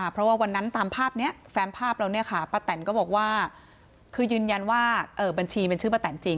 เพราะว่าวันนั้นตามภาพนี้แฟมภาพแล้วเนี่ยค่ะป้าแตนก็บอกว่าคือยืนยันว่าบัญชีมันชื่อป้าแตนจริง